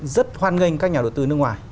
rất hoan nghênh các nhà đầu tư nước ngoài